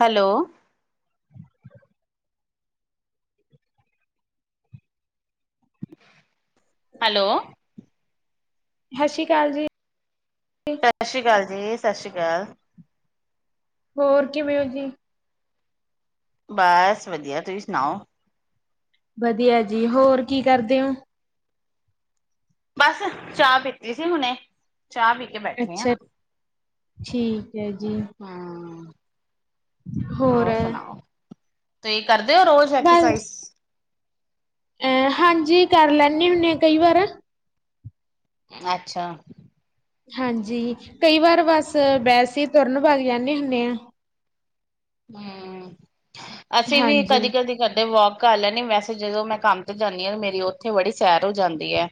Hello. Hello. ਸਸ਼੍ਰੀ ਕਾਲ ਜੀ। ਸਸ਼੍ਰੀ ਕਾਲ ਜੀ, ਸਸ਼੍ਰੀ ਕਾਲ। ਹੋਰ ਕਿਵੇ ਓ ਜੀ। ਬੱਸ ਵਧੀਆ ਤੁਸੀ ਸਣਾਓ। ਵਧੀਆ ਜੀ ਹੋਰ ਕੀ ਕਰਦੇ ਓ। ਬਸ ਚਾ ਪੀਤੀ ਸੀ ਹੁਣੇ, ਚਾ ਪੀ ਕੇ ਬੈਠੇ ਆ। ਅਛਾ, ਠੀਕ ੲੈ ਜੀ। ਹਾਂ। ਹੋਰ ਸਣਾਓ, ਤੁਸੀ ਕਰਦੇ ਓ ਰੋਜ ਐਕਸਸਾਈਸ? ਐ, ਹਾਂਜੀ ਕੱਰ ਲੈਣੇ ਹੁੰਣੇ ਕਈ ਵਾਰ। ਐਛਾ। ਹਾਂਜੀ, ਕਈ ਵਾਰ ਬਸ ਬੈਸੇ ਤੁਰਨ ਬੱਗ ਜਾਂਨੇੇ ਹੁੰਨੇ ਆ। ਹੂੰ, ਅਸੀਂ ਵੀ ਹਾਂਜੀ। ਕਦੀ-ਕਦੀ ਕਦੇ ਵੋਕ ਕਰ ਲੈਨੀ, ਵੈਸੇ ਜਦੋਂ ਮੈਂ ਕੰਮ ਤੇ ਜਾਂਨੀ ਆ, ਤੇ ਮੇਰੀ ਉੱਥੇ ਬੜੀ ਸੈਰ ਹੋ ਜਾਂਦੀ ਐ।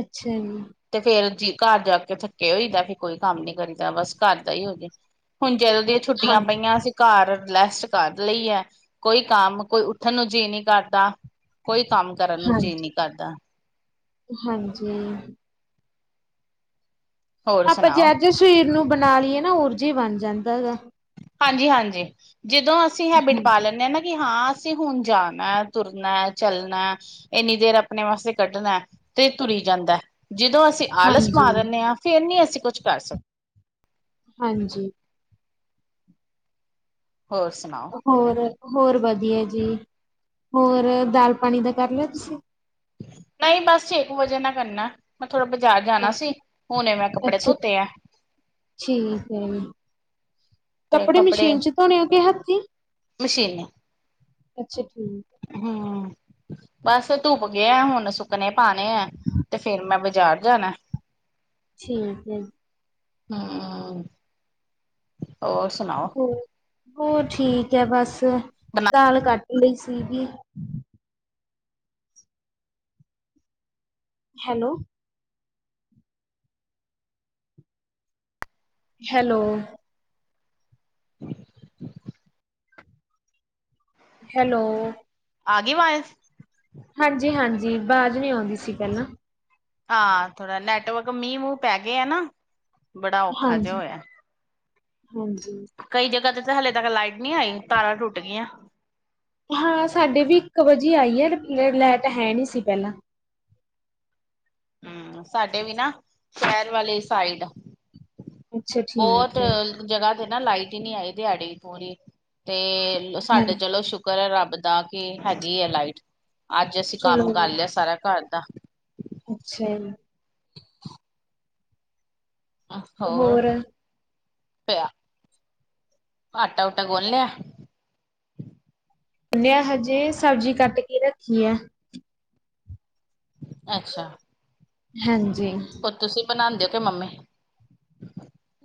ਅੱਛਾ ਜੀ। ਤੇ ਫੇਰ ਜੀ, ਘਰ ਜਾਕੇ ਥੱਕੇ ਹੋਈਦਾ ਫਿਰ ਕੋਈ ਕੰਮ ਨੀ ਕਰੀਦਾ, ਬਸ ਘਰ ਦਾ ਈ ਹੋਜੇ। ਹੁਨ ਜਦੋਂ ਦੀਆਂ ਹਾਂ ਛੁੱਟੀਆਂ ਪਈਆਂ ਅਸੀ ਘਰ ਰੈਸਟ ਕਰ ਲਈ ਐ, ਕੋਈ ਕੰਮ, ਕੋਈ ਉੱਠਣ ਨੂੰ ਜੀਅ ਨੀਂ ਕਰਦਾ। ਕੋਈ ਕੰਮ ਕਰਨ ਨੂੰ ਜੀਅ ਹਾਂਜੀ। ਨਹੀਂ ਕਰਦਾ। ਹਾਂਜੀ। ਹੋਰ ਆਪਾ ਸੁਣਾਓ ਜੈ ਜਾ ਸਰੀਰ ਨੂੰ ਬਣਾ ਲੀਏ ਨਾ, ਉਹੋ ਜਿਹਾ ਬਣ ਜਾਂਦਾਗਾ। ਹਾਂਜੀ-ਹਾਂਜੀ, ਜਦੋਂ ਅਸੀਂ ਹੈਬਿਟ ਪਾ ਲੈਂਨੇ ਆ, ਨਾ ਕਿ ਹਾਂ, ਅਸੀਂ ਹੁਨ ਜਾਣਾ ਤੁਰਨਾ, ਚੱਲਨਾ ਇੰਨੀ ਦੇਰ ਅਪਣੇ ਵਾਸਤੇ ਕੱਢਣਾ, ਤੇ ਤੁਰੀ ਜਾਂਦਾ। ਜਿਦੋਂ ਅਸੀਂ ਆਲਸ ਪਾ ਹਾਂਜੀ, ਦੰਨੇ ਆ, ਫਿਰ ਨਹੀਂ ਅਸੀਂ ਕੁੱਛ ਕਰ ਸਕਦੇ। ਹਾਂਜੀ। ਹੋਰ ਸੁਣਾਓ? ਹੋਰ, ਹੋਰ ਵਧੀਆ ਜੀ, ਹੋਰ ਦਾਲ-ਪਾਣੀ ਦਾ ਕਰ ਲਿਆ ਤੁਸੀ? ਨਹੀਂ ਬਸ, ਛੇ ਕੁ ਵਜੇ ਨਾਲ ਕਰਨਾ। ਮੈਂ ਥੋੜਾ ਬਜ਼ਾਰ ਜਾਣਾ ਸੀ, ਹੁਣੇ ਮੈਂ ਕੱਪੜੇ ਅੱਛਾ ਧੋਤੇ ਆ। ਠੀਕ ਐ ਜੀ, ਤੇ ਕੱਪੜੇ ਮਸ਼ੀਨ'ਚ ਧੋਂਨੇ ਓ ਕਿ ਹੱਥੀ? ਮਸ਼ੀਨੇ। ਅੱਛਾ, ਠੀਕ। ਹੂੰ, ਬਸ ਧੁਪ ਗਿਆ ਹੁਣ, ਸੁਕ ਸੁਕਣੇ ਪਾਣੇ ਐ, ਤੇ ਫਿਰ ਮੈਂ ਬਜ਼ਾਰ ਜਾਣਾ। ਠੀਕ ਏ। ਹਂ ਔਰ ਸ ਹੋ, ਹੋਰ ਠੀਕ ਐ ਬਸ, ਬਣਾ ਦਾਲ ਕੱਡ ਲਈ ਸੀਗੀ। ਹੈਲੋ ਹੈਲੋ ਹੈਲੋ ਆਗੀ ਅਵਾਜ਼? ਹਾਂਜੀ-ਹਾਂਜੀ, ਬਾਜ਼ ਨਹੀਂ ਆਉਂਦੀ ਸੀ ਪਹਿਲਾਂ। ਆ, ਥੋੜਾ ਨੈਟਵਰਕ, ਮੀਂਹ-ਮੂੰਹ ਪੈਗਿਆ ਆ ਨਾ, ਬੜਾ ਔਖਾ ਜਿਹਾ ਹਾਂਜੀ, ਹੋਇਆ। ਹਾਂਜੀ। ਕਈ ਜਗ੍ਹਾ ਤੇ ਹਲੇੇ ਤੱਕ ਲਾਈਟ ਨਹੀਂ ਆਈ, ਤਾਰਾਂ ਟੁਟ ਗੀਆਂ। ਹਾਂ, ਸਾਡੇ ਵੀ ਇੱਕ ਵਜੇ ਆਈ ਏ, ਲੈਟ ਹੈ ਨੀ ਸੀ ਪਹਿਲਾਂ। ਹੂੰ, ਸਾਡੇ ਵੀ ਨਾ, ਸ਼ਹਿਰ ਵਾਲੀ ਸਾਈਡ ਅੱਛਾ ਬਹੁਤ ਠੀਕ ਹੈ, ਜਗ੍ਹਾ ਤੇ ਨਾ ਲਾਈਟ ਈ ਨੀ ਆਈ ਦਿਹਾੜੀ ਪੂਰੀ, ਤੇ ਹਾਂ ਸਾਡੇ ਚਲੋ ਕਰ ਏ ਰੱਬ ਦਾ, ਕੀ ਹੈਗੀ ਆ ਲਾਈਟ, ਅੱਜ ਅਸੀਂ ਚਲੋ ਕੰਮ ਕਰ ਲਿਆ ਸਾਰਾ ਘਰ ਦਾ। ਅੱਛਾ‌ ਜੀ। [unintelligible] ਹੋਰ, ਪਿਆ ਆਟਾ-ਊਟਾ ਗੁੰਲ ਲਿਆ? ਗੁੰਨਿਆ ਹਜੇ, ਸਬਜ਼ੀ ਕੱਟ ਕੇ ਰੱਖੀ ਐ। ਅੱਛਾ। ਹਾਂਜੀ। ਹੋਰ ਤੁਸੀਂ ਬਣਾਦੇ ਹੋ ਕਿ ਮੰਮੀ?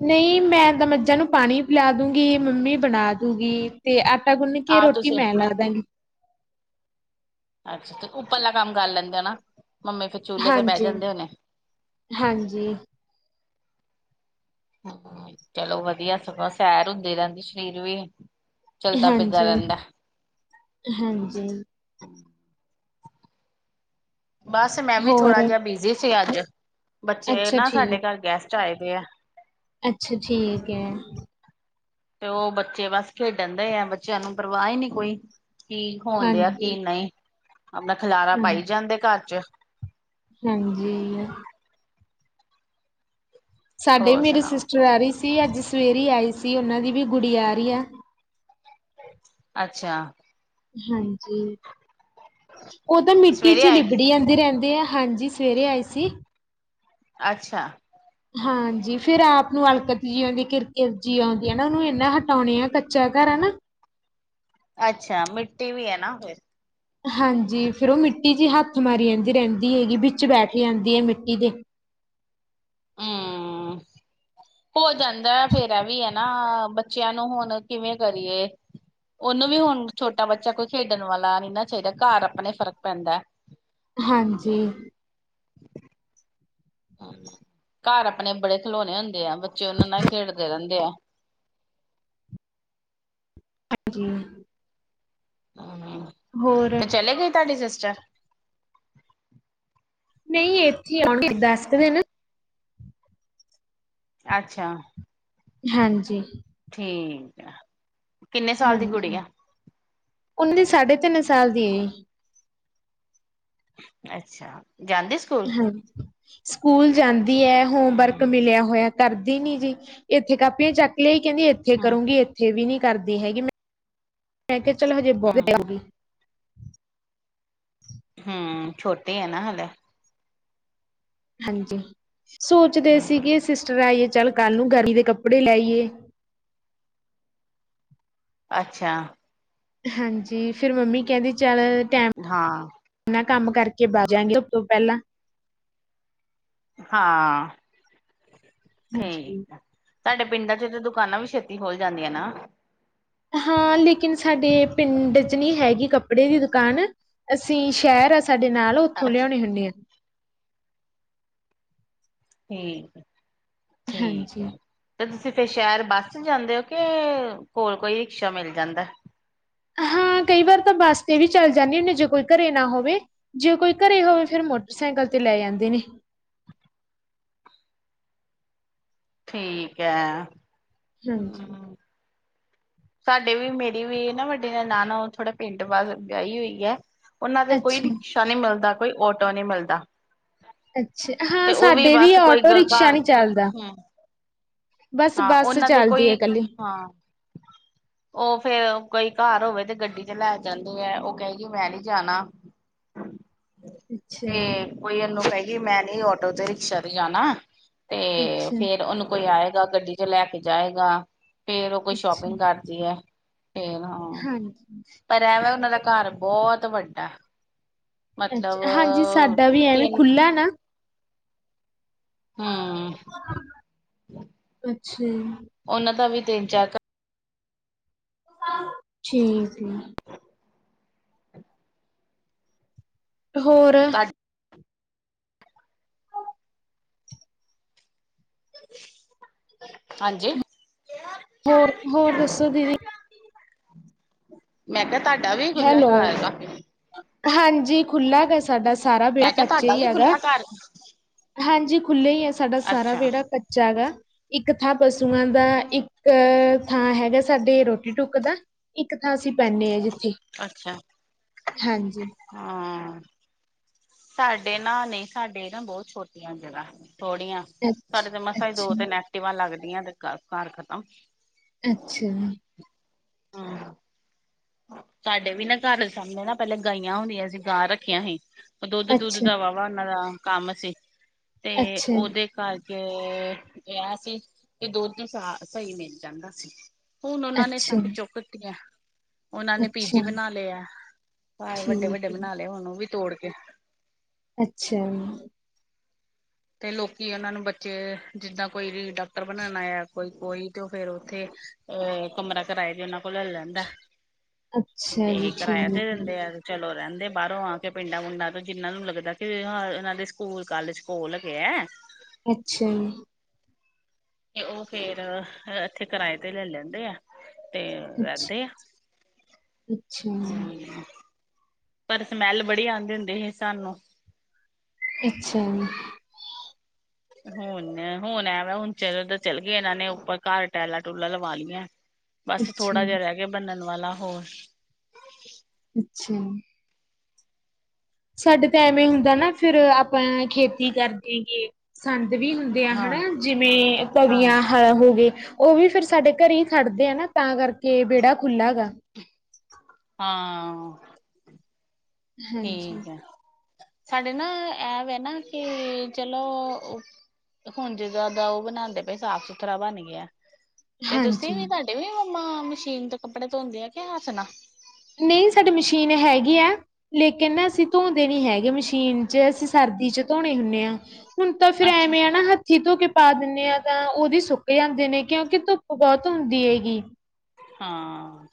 ਨਹੀਂ ਮੈਂ ਤਾਂ ਮੱਝਾਂ ਨੂੰ ਪਾਣੀ ਪਿਲਾ ਦੂਗੀ, ਮੰਮੀ ਬਣਾ ਦੂਗੀ ਤੇ ਆਟਾ ਗੁੰਨ ਕੇ, ਆਹ ਰੋਟੀ ਤੁਸੀਂ ਮੈਂ ਲਾ ਦਾਗੀ। ਅੱਛਾ, ਉੱਪਰਲਾ ਕੰਮ ਕਰ ਲੈਂਦੇ ਨਾ, ਮੰਮੀ ਫਿਰ ਚੁੱਲੇ ਤੇ ਬਹਿ ਹਾਂਜੀ ਜਾਂਦੇ ਹੋਣੇ। ਹਾਂਜੀ। ਹਮ ਚਲੋ ਵਧੀਆ, ਸਗੋਂ ਸੈਰ ਹੁੰਦੀ ਰਹਿੰਦੀ ਸਰੀਰ ਵੀ ਚਲਦਾ ਫਿਰਦਾ ਹਾਂਜੀ, ਰਹਿੰਦਾ ਹਾਂਜੀ। ਬਸ ਮੈਂ ਵੀ ਹੋਰ ਥੋੜਾ ਜਿਹਾ ਬਿਜੀ ਸੀ ਅੱਜ। ਬੱਚੇ ਅੱਛਾ ਨਾ ਸਾਡੇ ਠੀਕ ਘਰ ਗੈਸਟ ਆਏ ਦੇ ਆ। ਅੱਛਾ, ਠੀਕ ਐ। ਤੇ ਉਹ ਬੱਚੇ ਬਸ ਖੇਡਣ ਦੇ ਆ, ਬੱਚਿਆਂ ਨੂੰ ਪਰਵਾਹ ਹੀ ਨਹੀਂ ਕੋਈ। ਕੀ ਹੋਣ ਦਿਆ, ਕੀ ਹਾਂਜੀ ਨਹੀਂ, ਆਪਣਾ ਖਿਲਾਰਾ ਹਾਂ ਪਾਈ ਜਾਂਦੇ ਘਰ 'ਚ ਹਾਂਜੀ। ਸਾਡੇ ਹੋਰ ਮੇਰੇ ਸੁਣਾਓ ਸਿਸਟਰ ਆ ਰਹੀ ਸੀ, ਅੱਜ ਸਵੇਰੇ ਹੀ ਆਈ ਸੀ। ਉਹਨਾਂ ਦੀ ਵੀ ਗੁੜੀਆ ਆ ਰਹੀ ਆ। ਅੱਛਾ। ਹਾਂਜੀ। ਉਹ ਤਾਂ ਮਿੱਟੀ ਸਵੇਰੇ ਚ ਹੀ ਆਏਗੀ ਲਿਬੜੀ ਆ ਰਹਿੰਦੇ ਆ। ਹਾਂਜੀ, ਸਵੇਰੇ ਆਏ ਸੀ। ਅੱਛਾ। ਹਾਂਜੀ ਫਿਰ ਆਪ ਨੂੰ ਅਲਕਤ ਜੀ ਆਉਂ ਦੀ, ਕਿਰ ਕਿਰ ਜਿਹੀ ਆਉਂਦੀ ਹੈ ਨਾ, ਉਹਨੂੰ ਇਨਾ ਹਟਾਉਣੇ ਆ ਕੱਚਾ ਘਰ ਆ ਨਾਮ ਅੱਛਾ, ਮਿੱਟੀ ਵੀ ਹੈ ਨਾ ਫਿਰ। ਹਾਂਜੀ ਫਿਰ ਉਹ ਮਿੱਟੀ ਚ ਹੱਥ ਮਾਰੀ ਜਾਂਦੀ ਰਹਿੰਦੀ ਹੈਗੀ, ਬਿਚ ਬੈਠ ਜਾਂਦੀ ਹੈ ਮਿੱਟੀ ਦੇ। ਹਮ। ਹੋ ਜਾਂਦਾ ਫੇਰ ਏ ਵੀ ਹੈ ਨਾ, ਬੱਚਿਆਂ ਨੂੰ ਹੁਣ ਕਿਵੇਂ ਕਰੀਏ? ਉਹਨੂੰ ਵੀ ਹੁਣ ਛੋਟਾ ਬੱਚਾ ਕੋਈ ਖੇਡਣ ਵਾਲਾ ਨੀ ਨਾ ਚਾਹੀਦਾ, ਘਰ ਆਪਣੇ ਫ਼ਰਕ ਪੈਂਦਾ। ਹਾਂਜੀ। ਘਰ ਆਪਣੇ ਬੜੇ ਖਲੋਣੇ ਹੁੰਦੇ ਆ, ਬੱਚੇ ਉਹਨਾਂ ਨਾਲ ਖੇਡਦੇ ਰਹਿੰਦੇ ਆ। ਹਾਂਜੀ। ਹਾਂਜੀ। ਹੋਰ? ਚਲੇ ਗਏ ਤੁਹਾਡੀ ਸਿਸਟਰ। ਨਹੀਂ ਇੱਥੇ ਆਉਣੀ ਦੱਸਦੇ ਨੇ ਅੱਛਾ! ਹਾਂਜੀ। ਠੀਕ ਆ। ਹਾਂਜੀ, ਉਨੀ ਸਾਢੇ ਤਿੰਨ ਸਾਲ ਦੀ ਅੱਛਾ, ਜਾਂਦੀ ਸ ਹਾਂਜੀ। ਸਕੂਲ ਜਾਂਦੀ ਐ, ਹੋਮਵਰਕ ਹੂੰ ਮਿਲਿਆ ਹੋਇਆ ਕਰਦੀ ਨੀ ਜੀ ਇੱਥੇ ਕਾਪੀਆਂ ਚੱਕ ਲੇ ਕਹਿੰਦੀ ਇੱਥੇ ਹੂੰ ਕਰੂੰਗੀ, ਇੱਥੇ ਵੀ ਨੀ ਕਰਦੀ ਹੈਗੀ, ਮੈਂ- ਮੈਂ ਕਿਹਾ ਚਲ ਹਜੇ ਬਹੁਤ ਹੂੰ ਜਾਊਗੀ, ਹੂ, ਛੋਟੇ ਆ ਨਾ ਹਲੇ। ਹਾਂਜੀ। ਸੋਚਦੇ ਸੀ ਕਿ ਸਿਸਟਰ ਆਈ ਏ, ਚੱਲ ਕੱਲ ਨੂੰ ਗਰਮੀ ਦੇ ਕੱਪੜੇ ਲੈ ਆਈਐ। ਅੱਛਾ। ਹਾਂਜੀ। ਫਿਰ ਮੰਮੀ ਕਹਿੰਦੀ ਚੱਲ ਹਾਂ। ਨਾਂ ਕੰਮ ਕਰਕੇ ਬਹਜਾਗੇ ਸਭ ਤੋਂ ਪਹਿਲਾਂ। ਹਾਂ, ਹਾਂਜੀ ਠੀਕ ਸਾਡੇ ਪਿੰਡਾਂ ਚ ਤਾਂ ਦੁਕਾਨਾਂ ਵੀ ਛੇਤੀ ਖੋਲ ਜਾਂਦੀਆਂ ਨਾ। ਹਾਂ ਲੇਕਿਨ ਸਾਡੇ ਪਿੰਡ 'ਚ ਨਹੀ ਹੈਗੀ ਕੱਪੜੇ ਦੀ ਦੁਕਾਨ, ਅਸੀਂ ਸ਼ਹਿਰ ਆ ਸਾਡੇ ਨਾਲ ਉੱਥੋਂ ਅੱਛਾ ਲਿਆਉਣੇ ਹੁੰਦੇ ਹਾਂ। ਠੀਕ ਆ, ਠੀਕ ਹਾਂਜੀ ਆ। ਤੇ ਤੁਸੀਂ ਫਿਰ ਸ਼ਹਿਰ ਬੱਸ ਚ ਜਾਂਦੇ ਹੋ ਕੇ ਕੋਲ ਕੋਈ ਰਿਕਸ਼ਾ ਮਿਲ ਜਾਂਦਾ। ਹਾਂ ਕਈ ਵਾਰ ਤਾਂ ਬੱਸ ਤੇ ਵੀ ਚੱਲ ਜਾਂਦੇ ਹੁੰਦੇ ਜੇ ਕੋਈ ਘਰੇ ਨਾ ਹੋਵੇ-। ਜੇ ਕੋਈ ਘਰੇ ਹੋਵੇ ਫੇਰ ਮੋਟਰਸਾਈਕਲ ਤੇ ਲੈ ਜਾਂਦੇ ਨੇ। ਠੀਕ ਐ, ਹਾਂਜੀ ਹੁ। ਸਾਡੇ ਵੀ ਮੇਰੀ ਵੀ ਨਾ ਵੱਡੇ ਨਨਾਣ ਥੋੜੀ ਪਿੰਡ ਵਲ ਵਿਆਹੀ ਹੋਈ ਹੈ। ਉਹਨਾਂ ਦੇ ਕੋਈ ਅੱਛਾ ਰਿਕਸ਼ਾ ਨਹੀ ਮਿਲਦਾ ਕੋਈ ਔਟੋ ਨਹੀ ਮਿਲਦਾ। ਅੱਛਾ ਹਾਂ ਤੇ ਓ ਵੀ ਸਾਡੇ ਬਸ ਕੋਈ ਆਟੋ ਰਿਕਸ਼ਾ ਘਰ, ਨੀ ਚੱਲਦਾ ਹੂ ਬਸ ਹਾਂ, ਬੱਸ ਉਹਨਾਂ ਦੇ ਚੱਲਦੀ ਕੋਈ, ਹੈ ਇਕੱਲੀ। ਹਾਂ। ਉਹ ਫੇਰ ਕੋਈ ਘਰ ਹੋਵੇ ਤੇ ਗੱਡੀ ਤੇ ਲੈ ਜਾਂਦੇ ਹੈ ਉਹ ਕਹਿਗੀ ਮੈਂ ਨੀ ਜਾਣਾ। ਅੱਛਾ, ਤੇ ਕੋਈ ਇਹਨੂੰ ਕਹੇ ਮੈਂ ਨੀ ਆਟੋ ਤੇ ਰਿਕਸ਼ਾ ਤੇ ਜਾਣਾ ਤੇ ਅੱਛਾ। ਫੇਰ ਉਹਨੂੰ ਕੋਈ ਆਏਗਾ ਗੱਡੀ ਚ ਲੈ ਕੇ ਜਾਏਗਾ ਫੇਰ ਉਹ ਕੋਈ ਸ਼ੋਪ ਕਰਦੀ ਆ ਤੇ ਨਾ। ਹਾਂ। ਪਰ ਐਵੇ ਉਹਨਾਂ ਦਾ ਘਰ ਬਹੁਤ ਵੱਡਾ। ਅੱਛਾ, ਮਤਲਬ ਹਾਂਜੀ ਸਾਡਾ ਵੀ ਐਵੇਂ ਤਿੰਨ ਖੁੱਲਾ ਨਾ। ਹੂੰ। ਅੱਛਾ। ਉਹਨਾਂ ਦਾ ਵੀ ਤਿੰਨ ਚਾਰ ਘਰ, ਹਾਂ, ਠੀਕ ਏ। ਹੋਰ। ਹਾਂਜੀ। ਹੋਰ, ਹੋਰ ਦੱਸੋ ਦੀਦੀ? ਮੈਂ ਕਿਹਾ ਤੁਆਡਾ ਵੀ ਖੁੱਲਾ ਹੈਲੋ, ਘਰ ਆ ਹਾਂਜੀ ਖੁੱਲਾ ਗਾ ਸਾਡਾ ਸਾਰਾ ਵੇੜਾ ਮੈਂ ਕਿਹਾ ਕੱਚੇ ਤੁਹਾਡਾ ਵੀ ਹੀ ਗਾ। ਖੁੱਲਾ ਘਰ ਹਾਂਜੀ ਖੁੱਲਾ ਹੀ ਆ ਸਾਡਾ ਸਾਰਾ ਅੱਛਾ ਵਿਹੜਾ ਕੱਚਾ ਹੈਗਾ। ਇੱਕ ਥਾਂ ਪਸੂਆਂ ਦਾ ਇੱਕ ਥਾਂ ਹੈਗਾ ਸਾਡੇ ਰੋਟੀ ਟੁਕ ਦਾ। ਇੱਕ ਥਾਂ ਅਸੀਂ ਬਹਨੇ ਹਾਂ ਜਿੱਥੇ। ਅੱਛਾ, ਹਾਂਜੀ। ਹਾਂ। ਸਾਡੇ ਨਾ ਨਹੀਂ ਸਾਡੇ ਨਾ ਬਹੁਤ ਛੋਟੀਆਂ ਜਗ੍ਹਾ ਥੋੜੀਆਂ। ਸਾਡੇ ਤੇ ਮਸਾਂ ਹੀ ਦੋ ਅੱਛਾ, ਤਿੰਨ ਐਕਟਿਵ ਲੱਗਦੀਆਂ ਤੇ ਘਰ ਖਤਮ। ਅੱਛਾ। ਹਾਂ। ਸਾਡੇ ਵੀ ਨਾ ਘਰ ਦੇ ਸਾਹਮਣੇ ਨਾ ਪਹਿਲੇ ਗਾਈਆਂ ਹੁੰਦੀਆਂ ਸੀ ਗਾਂ ਰੱਖੀਆਂ ਸੀ ਉਹ ਦੁੱਧ, ਦੁੱਧ ਅੱਛਾ। ਦਾਵਾ ਉਹਨਾਂ ਦਾ ਕੰਮ ਸੀ ਤੇ ਅੱਛਾ ਉਹਦੇ, ਕਰਕੇ ਇਹ ਸੀ ਕਿ ਦੁੱਧ ਸ ਸਹੀ ਮਿਲ ਜਾਂਦਾ ਸੀ। ਹੁਣ ਉਹਨਾਂ ਨੇ ਅੱਛਾ, ਸੱਬ ਚੁੱਕਤੀਆਂ। ਉਹਨਾਂ ਨੇ ਅੱਛਾ ਪੀਜੀ ਬਣਾ ਲਏ ਆ ਭ ਵੱਡੇ ਵੱਡੇ ਠੀਕ ਬਣਾ ਐ। ਲਏ ਹੁਣ ਉਹ ਵੀ ਤੋੜ ਕੇ। ਅੱਛਿਆ ਤੇ ਲੋਕੀ ਉਹਨਾਂ ਨੂੰ ਬੱਚੇ ਜਿੱਦਾਂ ਕੋਈ ਵੀ ਡਾਕਟਰ ਬਣਾਣਾ ਏ ਆ। ਕੋਈ, ਕੋਈ ਤੇ ਫੇਰ ਉੱਥੇ ਅ ਕਮਰਾ ਕਰਾਏ ਦੇ ਨਾ। ਉਹ ਲੈ ਲੈਂਦਾ ਅੱਛਾ ਜੀ ਤੇ ਕਿਰਾਇਆ ਦੇ ਠੀਕ ਐ। ਦਿੰਦੇ ਆ ਵੇ ਚਲੋ ਰਹਿੰਦੇ ਬਾਹਰੋਂ ਆ ਕੇ ਪਿੰਡਾਂ ਪੁੰਡਾਂ ਤੋਂ ਜਿਹਨਾਂ ਨੂੰ ਲੱਗਦਾ ਕਿ ਹਾਂ ਇਹਨਾਂ ਦੇ ਸਕੂਲ, ਕਾਲਜ ਕੋਲ ਹੈਗੇ ਐ ਅੱਛਿਆ ਜੀ ਤੇ ਉਹ ਫੇਰ ਐਥੇ ਕਿਰਾਏ ਤੇ ਲੈ ਲੈਂਦੇ ਆ ਤੇ ਰਹਿੰਦੇ ਆ। ਅੱਛਿਆ ਹੂੰ, ਪਰ ਸਮੈਲ ਬੜੀ ਆਂਦੀ ਹੁੰਦੇ ਸੀ ਸਾਨੂੰ। ਅੱਛਿਆ ਜੀ ਹੁਣ ਹੁਣ ਐ ਵੇ ਹੁਣ ਚਲੋ ਉਧਰ ਚੱਲ ਗਏ ਇਹਨਾਂ ਨੇ ਹੁਣ ਉੱਪਰ ਘਰ ਟੈਲਾਂ ਟੂਲਾਂ ਲਵਾ ਲਈਆ। ਬਸ ਅੱਛਾ ਥੋੜਾ ਜਿਹਾ ਰਹਿ ਗਿਆ ਬਨਣ ਵਾਲਾ ਹੋਰ ਅੱਛਿਆ ਜੀ ਸਾਡੇ ਤਾਂ ਐਵੇਂ ਹੁੰਦਾ ਨਾ ਫੇਰ ਆਪਾਂ ਖੇਤੀ ਕਰ ਦੇ ਗੇ ਸੰਦ ਵੀ ਹੁੰਦੇ ਆ ਹਾਂ ਹਨਾ ਜਿਵੇਂ ਹਾਂ। ਤਵੀਆਂ, ਹਲ ਹੋ ਗਏ। ਉਹ ਵੀ ਫੇਰ ਸਾਡੇ ਘਰੇ ਹੀ ਖੜਦੇ ਆ ਨਾ‌ ਤਾਂ ਕਰਕੇ ਵੇਹੜਾ ਖੁੱਲ੍ਹਾਗਾ। ਹਾਂ। ਹਾਂਜੀ ਠੀਕ ਐ ਸਾਡੇ ਨਾ ਐ ਵੇ ਨਾ ਕਿ ਚਲੋ ਹੁਣ ਜਿੱਦਾ ਦਾ ਉਹ ਬਣਾਂਦੇ ਪਏ ਸਾਫ਼ ਸੁਥਰਾ ਬਣ ਗਿਆ। ਤੇ ਤੁਸੀਂ ਹਾਂਜੀ ਵੀ ਤੁਹਾਡੇ ਵੀ ਮੰਮਾ ਮਸ਼ੀਨ ਤੋਂ ਕੱਪੜੇ ਧੋਂਦੇ ਆ ਕੇ ਹਾਥ ਨਾਲ ਨਹੀਂ ਸਾਡੇ ਮਸ਼ੀਨ ਹੈਗੀ ਆ ਲੇਕਿਨ ਨਾ ਅਸੀਂ ਧੋਂਦੇ ਨਹੀਂ ਹੈਗੇ ਮਸ਼ੀਨ ਚ ਅਸੀਂ ਸਰਦੀ ਚ ਧੋਣੇ ਹੁਣੇ ਆ ਹੁਣ ਤਾਂ ਫੇਰ ਅੱਛਾ ਐਵੇਂ ਆ ਨਾ ਹੱ ਹੱਥੀ ਧੋ ਕੇ ਪਾ ਦਿਣੇ ਆ ਤਾਂ ਉਹਦੀ ਸੁੱਕ ਜਾਂਦੇ ਨੇ ਕਿਉਂਕਿ ਧੁੱਪ ਬਹੁਤ ਹੁੰਦੀ ਐਗੀ ਹਾਂ।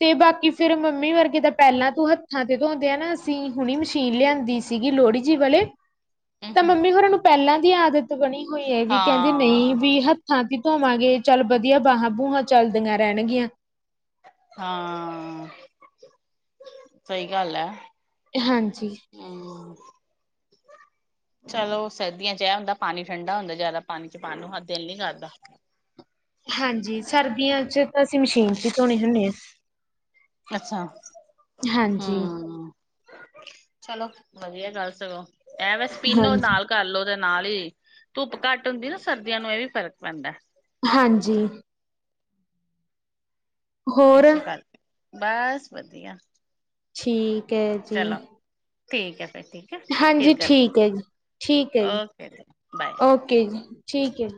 ਤੇ ਬਾਕੀ ਫੇਰ ਮੰਮੀ ਵਰਗੇ ਤਾਂ ਪਹਿਲਾਂ ਤੂੰ ਹੱਥਾਂ ਤੇ ਧੋਦੇ ਆ ਨਾ ਅਸੀਂ ਹੁਣੀ ਮਸ਼ੀਨ ਲਿਆਂਦੀ ਸੀ। ਸੀਗੀ ਲੋਹੜੀ ਜੀ ਵਲੇ ਤਾਂ ਮੰਮੀ ਹੋਰਾਂ ਨੂੰ ਪਹਿਲਾਂ ਦੀ ਆਦਤ ਬਣੀ ਹੋਈ ਐ ਵੀ ਕਹਿੰਦੀ ਨਈ ਹਾਂ ਵੀ ਹੱ ਹੱਥਾਂ ਤੇ ਹੀ ਧੋਵਾਂਗੇ ਚੱਲ ਵਧੀਆ ਬਾਹਾਂ ਬੂਹਾਂ ਚੱਲਦੀਆਂ ਰਹਿਣਗੀਆਂ। ਹਾਂ, ਸਹੀ ਗੱਲ ਐ ਹਾਂਜੀ। ਹੂੰ ਚਲੋ ਸਰਦੀਆਂ ਚ ਇਹ ਹੁੰਦਾ ਪਾਣੀ ਠੰਡਾ ਹੁੰਦਾ ਜ਼ਿਆਦਾ ਪਾਣੀ ਚ ਪਾਉਣ ਨੂੰ ਹੱਥ ਦਿਲ ਨੀ ਕਰਦਾ। ਹਾਂਜੀ ਸਰਦੀਆਂ ਚ ਤਾਂ ਅਸੀਂ ਮਸ਼ੀਨ ਚ ਹੀ ਧੋਣੇ ਹੁਨੇ ਆ। ਅੱਛਾ, ਹਾਂਜੀ, ਹੂੰ। ਚਲੋ ਵਧੀਆ ਗੱਲ ਸਗੋਂ ਇਹ ਵੈਸੇ [unintelligible] ਹਾਂਜੀ, ਨਾਲ ਕਰ ਲਓ ਤੇ ਨਾਲ ਹੀ ਧੁੱਪ ਘੱਟ ਹੁੰਦੀ ਨਾ ਸਰਦੀਆਂ ਨੂੰ ਇਹ ਵੀ ਫਰਕ ਪੈਂਦਾ। ਹਾਂਜੀ। ਹੋਰ ਏਸੇ ਕਰਕੇ ਬਸ ਵਧੀਆ। ਠੀਕ ਐ ਜੀ। ਚਲੋ ਠੀਕ ਐ ਫੇਰ [unintelligible] ਹਾਂਜੀ ਠੀਕ ਐ ਜੀ, ਠੀਕ ਐ ਜੀ, ਓਕੇ ਬਾਏ। ਓਕੇ ਜੀ, ਠੀਕ ਐ ਜੀ।